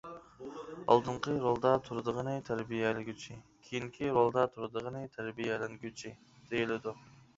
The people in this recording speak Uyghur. «ئالدىنقى رولدا تۇرىدىغىنى تەربىيەلىگۈچى» ، «كېيىنكى رولدا تۇرىدىغىنى تەربىيەلەنگۈچى» دېيىلىدۇ.